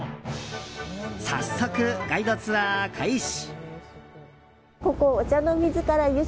早速、ガイドツアー開始。